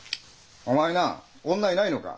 お前な女いないのか？